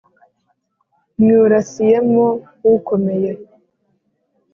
Nywurasiyemo ukomeye